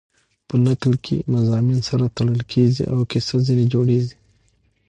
په نکل کښي مضامین سره تړل کېږي او کیسه ځیني جوړېږي.